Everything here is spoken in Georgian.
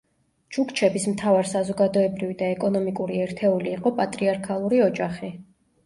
ჩუქჩების მთავარ საზოგადოებრივი და ეკონომიკური ერთეული იყო პატრიარქალური ოჯახი.